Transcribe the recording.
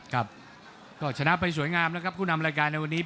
ครับก็ชนะไปสวยงามแล้วครับผู้นำรายการในวันนี้